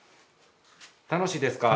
楽しいですか？